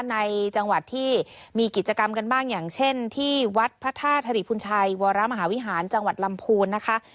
ในจังหวัดที่มีกิจกรรมกันบ้างอย่างเช่นที่วัดพระธาตุธริพุนชัยวรมหาวิหารจังหวัดลำพูนนะคะ